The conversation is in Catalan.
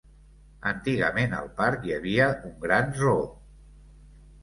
Antigament al parc hi havia un gran zoo.